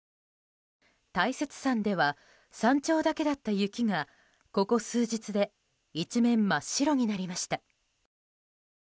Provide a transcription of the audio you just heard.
大雪山では山頂だけだった雪がここ数日で一面真っ白になりました。